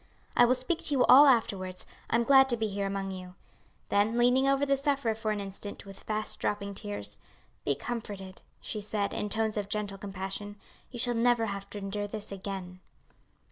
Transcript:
"I will speak to you all afterwards, I'm glad to be here among you." Then leaning over the sufferer for an instant, with fast dropping tears, "Be comforted," she said, in tones of gentle compassion, "you shall never have this to endure again."